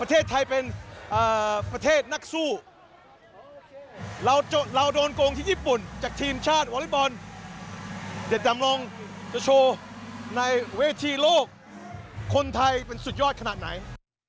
เราโดนโกงที่ญี่ปุ่นจากทีมชาติวอลเลฟบอลเด็ดดำรงจะโชว์ในเวทีโลกคนไทยเป็นสุดยอดขนาดไหน